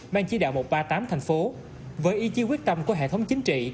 ban chỉ đạo một trăm ba mươi tám thành phố với ý chí quyết tâm của hệ thống chính trị